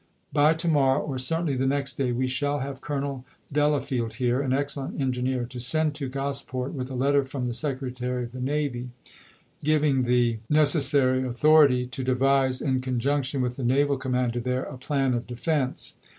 By to morrow, or certainly the next day, we shall have Colonel Delafield here, an excellent engineer, to send to Gosport (with a letter from the Secretary of the Navy giving the T. H. HICKS. THE NATIONAL UPEISING 97 necessary authority) to devise, in conjunction with the chap. v. naval commander there, a plan of defense.